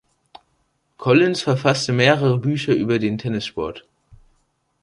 Collins verfasste mehrere Bücher über den Tennissport.